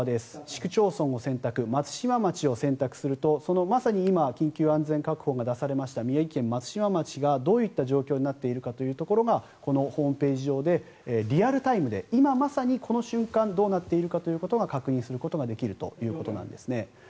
市区町村を選択松島町を選択するとそのまさに今、緊急安全確保が出されました宮城県松島町がどういった状況になっているかというところがこのホームページ上でリアルタイムで今まさにこの瞬間どうなっているかということを確認することができるということなんですね。